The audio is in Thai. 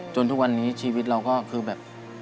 ทุกวันนี้ชีวิตเราก็คือแบบ